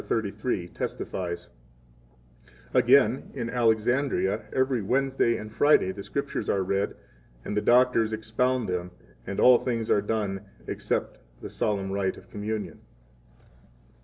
33) testifies: Again in Alexandria, every Wednesday and Friday the Scriptures are read, and the doctors expound them, and all things are done, except the solemn rite of Communion.